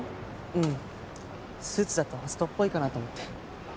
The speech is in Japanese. うんスーツだとホストっぽいかなと思って。